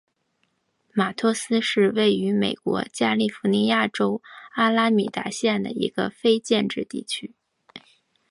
马托斯是位于美国加利福尼亚州阿拉米达县的一个非建制地区。